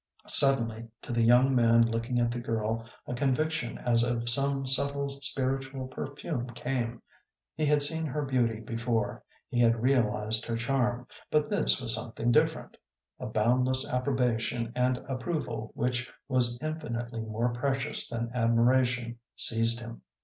Suddenly to the young man looking at the girl a conviction as of some subtle spiritual perfume came; he had seen her beauty before, he had realized her charm, but this was something different. A boundless approbation and approval which was infinitely more precious than admiration seized him.